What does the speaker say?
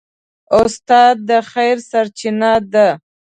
استاد د خیر سرچینه ده.